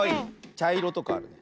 ちゃいろとかあるね。